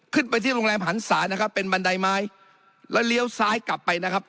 ขึ้นไปที่โรงแรมหันศานะครับเป็นบันไดไม้แล้วเลี้ยวซ้ายกลับไปนะครับ